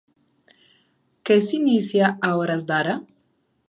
Què s'inicia a hores d'ara?